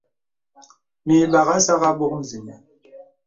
Mə ìbàghā sàk àbok zìnə.